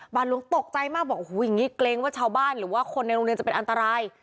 หลวงตกใจมากบอกโอ้โหอย่างนี้เกรงว่าชาวบ้านหรือว่าคนในโรงเรียนจะเป็นอันตราย